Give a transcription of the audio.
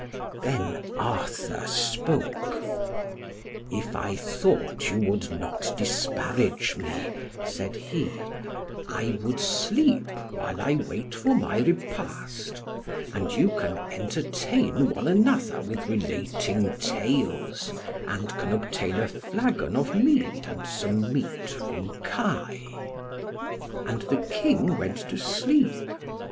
Then Arthur spoke, "If I thought you would not disparage me," said he, "I would sleep while I wait for my repast; and you can entertain one another with relating tales, and can obtain a flagon of mead and some meat from Kai." And the King went to sleep.